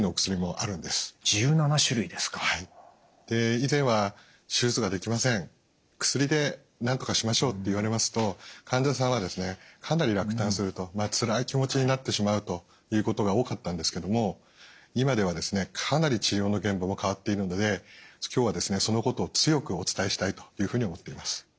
以前は「手術ができません薬でなんとかしましょう」って言われますと患者さんはですねかなり落胆するとつらい気持ちになってしまうということが多かったんですけども今ではですねかなり治療の現場も変わっているので今日はそのことを強くお伝えしたいというふうに思っています。